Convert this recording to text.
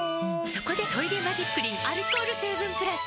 そこで「トイレマジックリン」アルコール成分プラス！